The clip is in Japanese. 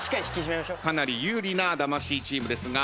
かなり有利な魂チームですが。